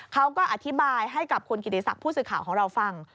เขาก็อธิบายให้กับคุณกิติศักดิ์ผู้สื่อข่าวของเราฟัง